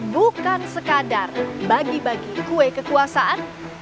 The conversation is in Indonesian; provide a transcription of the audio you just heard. bukan sekadar bagi bagi kue kekuasaan